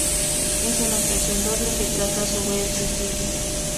Es una canción doble que trata sobre el suicidio.